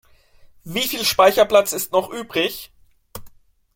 Wie viel Speicherplatz ist noch übrig?